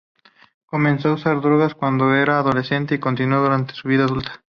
Comenzó a usar drogas cuando era adolescente, y continuó durante su vida adulta.